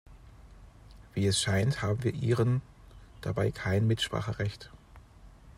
Wie es scheint, haben wir Iren dabei kein Mitspracherecht.